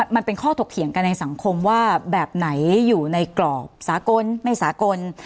มันเป็นข้อถกเถียงกันในสังคมว่าแบบไหนอยู่ในกรอบสากลไม่สากล